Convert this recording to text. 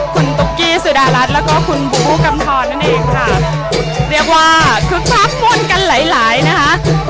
คุณตุ๊กกี้สุดารัฐแล้วก็คุณบูบูกำทรนั่นเองค่ะเรียกว่าคึกคักบนกันหลายหลายนะคะ